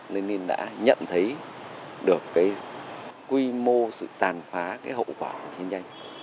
lenin đã nhận thấy được quy mô sự tàn phá hậu quả của chiến tranh